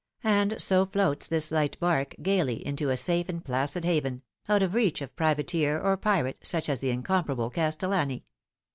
And so floats this light bark gaily into a safe and placid haven, out of reach of privateer or pirate such as the incomparable Castellani.